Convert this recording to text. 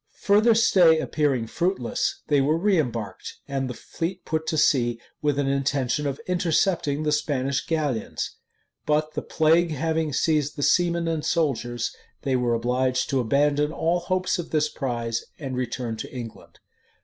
Further stay appearing fruitless, they were reëmbarked; and the fleet put to sea with an intention of intercepting the Spanish galleons. But the plague having seized the seamen and soldiers, they were obliged to abandon all hopes of this prize, and return to England.